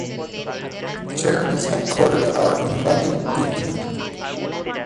The charity's headquarters are in London, England.